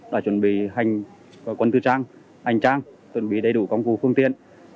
đã chuẩn bị hành quân tư trang hành trang chuẩn bị đầy đủ công cụ phương tiện